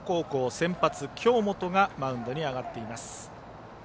先発京本がマウンドに上がっています。